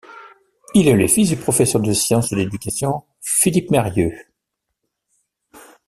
Il est le fils du professeur de sciences de l'éducation Philippe Meirieu.